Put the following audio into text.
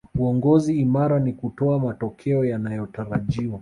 uongozi imara ni kutoa matokeo yanayotarajiwa